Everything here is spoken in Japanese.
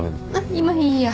今いいや。